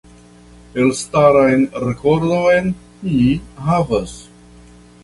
Elstaran rekordon ni havas.